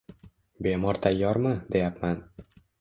Bemor tayyormi, deyapman